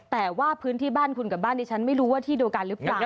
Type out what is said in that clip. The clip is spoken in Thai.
แต่ว่าพื้นที่บ้านคุณกับบ้านดิฉันไม่รู้ว่าที่เดียวกันหรือเปล่า